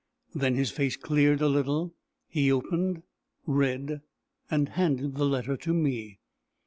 Then his face cleared a little; he opened, read, and handed the letter to me.